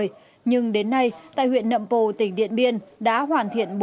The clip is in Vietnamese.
nhưng đến nay tại huyện nậm pồ tỉnh điện biên